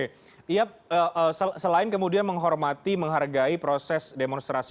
iya selain kemudian menghormati menghargai proses demonstrasi